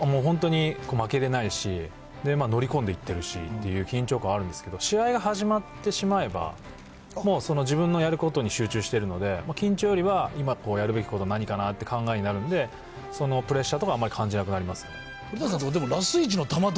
本当に負けれないですし、乗り込んでいってるしっていう緊張感はあるんですけど、試合が始まってしまえば、もうその自分のやることに集中してるので、緊張よりは今やるべきことは何かなって考えになるんで、そのプレッシャーとかは、あんまり感じなくなりますね。